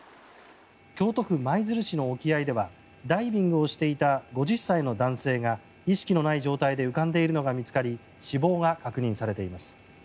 京都府舞鶴市の沖合ではダイビングをしていた５０歳の男性が意識のない状態で浮かんでいるのが見つかり死亡が確認されています。